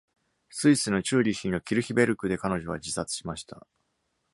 スイスのチューリッヒのキルヒベルクで彼女は自殺しました。